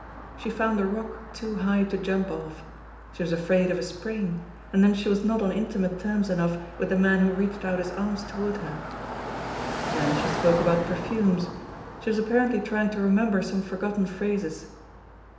She found a rock too high to jump off. She was afraid of a sprain, and then she was not on intimate terms enough with the man who reached out his arms toward her. Then she spoke about perfumes. She was apparently trying to remember some forgotten phrases.